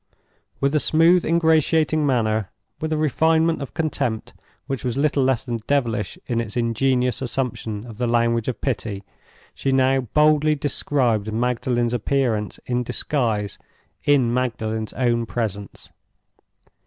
With a smooth, ingratiating manner, with a refinement of contempt which was little less than devilish in its ingenious assumption of the language of pity, she now boldly described Magdalen's appearance in disguise in Magdalen's own presence.